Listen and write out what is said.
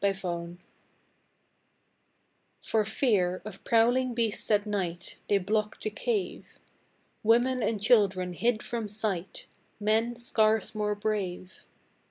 FOR FEAR f For fear of prowling beasts at night They blocked the cave; Women and children hid from sight, Men scarce more brave.